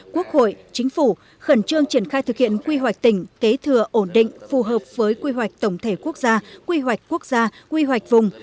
quốc hội chính phủ khẩn trương triển khai thực hiện quy hoạch tỉnh kế thừa ổn định phù hợp với quy hoạch tổng thể quốc gia quy hoạch quốc gia quy hoạch vùng